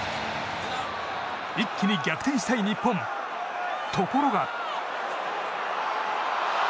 一気に逆転したい日本ところが。